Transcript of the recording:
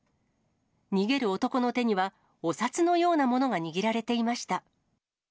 逃げる男の手には、お札のようなものが握られていました。